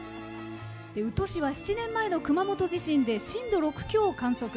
宇土市は７年前の熊本地震で震度６強を観測。